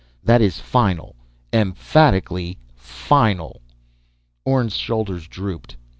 "That is final, emphatically final!" Orne's shoulders drooped.